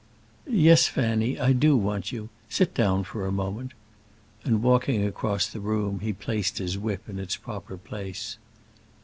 "Yes, Fanny, I do want you. Sit down for a moment." And walking across the room, he placed his whip in its proper place.